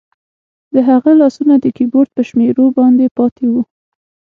د هغه لاسونه د کیبورډ په شمیرو باندې پاتې وو